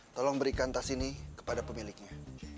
tolong berikan tas ini kepada pemiliknya